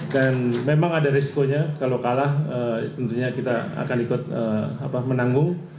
dan memang ada riskonya kalau kalah tentunya kita akan ikut menanggung